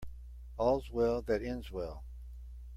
All's well that ends well.